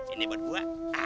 ini buat gue